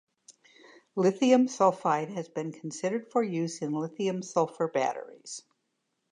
Lithium sulfide has been considered for use in lithium-sulfur batteries.